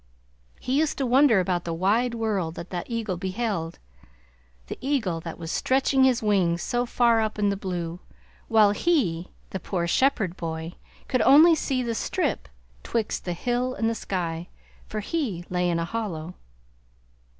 He used to wonder about the wide world that the eagle beheld, the eagle that was stretching his wings so far up in the blue, while he, the poor shepherd boy, could see only the "strip twixt the hill and the sky;" for he lay in a hollow.